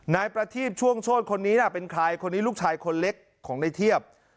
นายประทีบช่วงโชธคนนี้เป็นใครคนนี้ลูกชายคนเล็กของในเทียบ